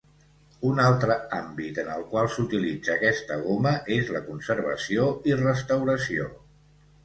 Un altre àmbit en el qual s'utilitza aquesta goma, és la conservació i restauració.